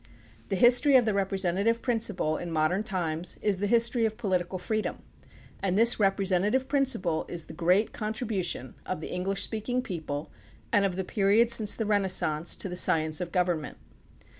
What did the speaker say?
The history of the representative principle in modern times is the history of political freedom, and this representative principle is the great contribution of the English speaking people and of the period since the Renaissance to the science of gov ernment.